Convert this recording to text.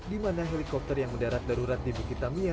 di mana helikopter yang mendarat darurat di bukit tamia